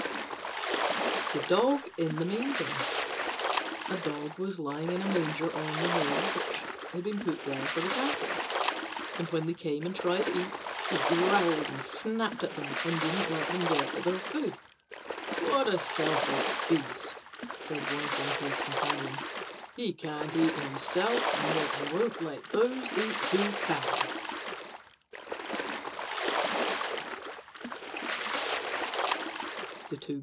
THE DOG IN THE MANGER A Dog was lying in a Manger on the hay which had been put there for the cattle, and when they came and tried to eat, he growled and snapped at them and wouldn't let them get at their food. "What a selfish beast," said one of them to his companions; "he can't eat himself and yet he won't let those eat who can."